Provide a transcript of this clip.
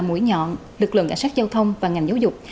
mũi nhọn lực lượng cảnh sát giao thông và ngành giáo dục